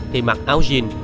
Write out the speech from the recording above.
thì mặc áo jean